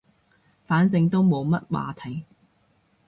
反正都冇乜話題